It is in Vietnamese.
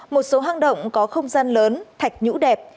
một số hang động có không gian lớn thạch nhũ đẹp